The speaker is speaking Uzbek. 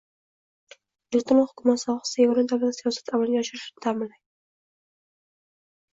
elektron hukumat sohasida yagona davlat siyosati amalga oshirilishini ta’minlaydi;